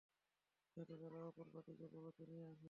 যাতে তারা অপর ভাইটিকে পরবর্তীতে নিয়ে আসে।